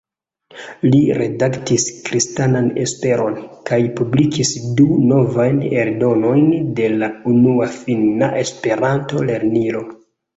Li redaktis "Kristanan Esperon" kaj publikigis du novajn eldonojn de la unua finna Esperanto-lernilo.